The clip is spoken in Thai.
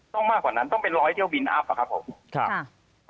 ต้องมากกว่านั้นต้องเป็น๑๐๐เที่ยวบินอัพอ่ะครับผม